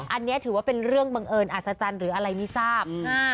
อันนี้ถือว่าเป็นเรื่องบังเอิญอัศจรรย์หรืออะไรไม่ทราบ